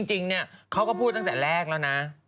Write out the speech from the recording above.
จริงเนี่ยเขาก็พูดตั้งแต่แรกแล้วนะ